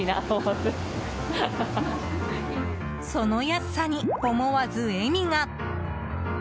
その安さに、思わず笑みが。